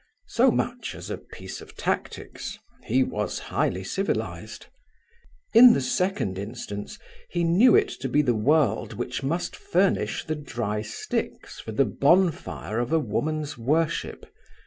So much, as a piece of tactics: he was highly civilized: in the second instance, he knew it to be the world which must furnish the dry sticks for the bonfire of a woman's worship.